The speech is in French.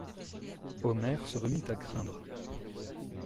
Omer se remit à craindre.